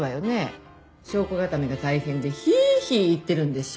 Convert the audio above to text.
証拠固めが大変でヒーヒー言ってるんでしょ？